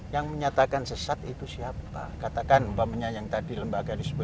yang menyatakan sesat itu siapa katakan umpamanya yang tadi lembaga disebut itu